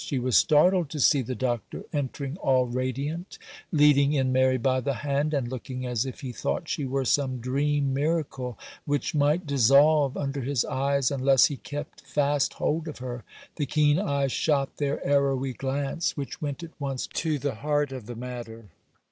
She was startled to see the Doctor entering all radiant, leading in Mary by the hand, and looking as if he thought she were some dream miracle which might dissolve under his eyes unless he kept fast hold of her. The keen eyes shot their arrowy glance, which went at once to the heart of the matter.